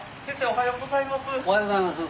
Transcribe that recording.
おはようございます。